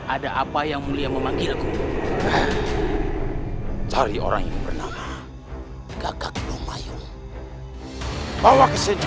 ada apa yang mulia memanggilku cari orang yang bernama gagak lumayun bawa kesini